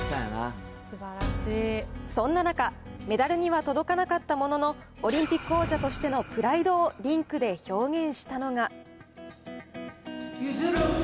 そんな中、メダルには届かなかったものの、オリンピック王者としてのプライドをリンクで表現したのが。